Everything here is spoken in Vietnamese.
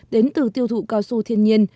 đến từ tiêu thụ cao su thiên nhiên